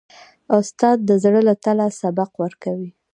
استاد د زړه له تله سبق ورکوي.